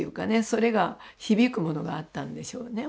それが響くものがあったんでしょうね